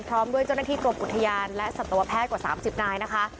พร้อมด้วยเจ้าหน้าที่กรบกุธยานและศัตรูแพทย์กว่าสามสิบนายนะคะ